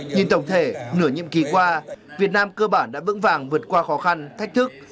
nhìn tổng thể nửa nhiệm kỳ qua việt nam cơ bản đã vững vàng vượt qua khó khăn thách thức